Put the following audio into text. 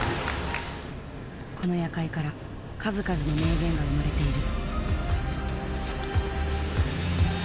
この夜会から数々の名言が生まれている。